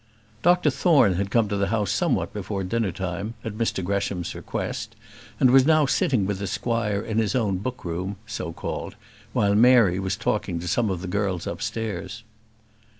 Dr Thorne had come to the house somewhat before dinner time, at Mr Gresham's request, and was now sitting with the squire in his own book room so called while Mary was talking to some of the girls upstairs.